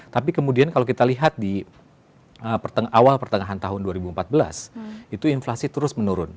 tapi kemudian kalau kita lihat di awal pertengahan tahun dua ribu empat belas itu inflasi terus menurun